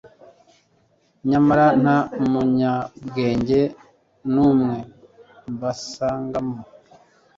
nyamara nta munyabwenge n'umwe mbasangamo